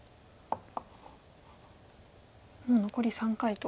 もう残り３回と。